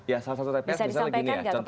ya salah satu tps misalnya gini ya